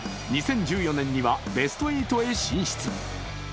２０１４年にはベスト８へ進出。